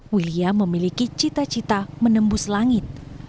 william memiliki cita cita menembus langit